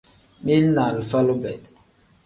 Mili ni alifa lube.